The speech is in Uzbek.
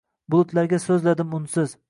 Bulutlarga soʼzladim unsiz.